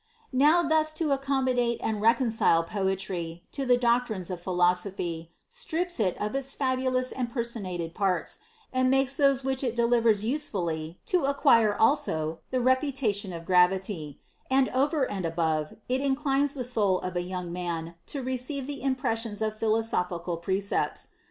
Now thus to accommodate and reconcile poetry to the doctrines of philosophy strips it of its fabulous and per sonated parts, and makes those things which it delivers usefully to acquire also the reputation of gravity ; and over and above, it inclines the soul of a young man to receive the impressions of philosophical precepts.